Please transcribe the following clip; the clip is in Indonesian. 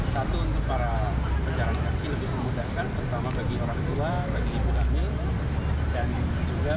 satu untuk para penjalan kaki lebih memudahkan terutama bagi orang tua bagi ibu hamil dan juga untuk penyajian di satu kelas